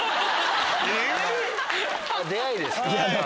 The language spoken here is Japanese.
出会いですか。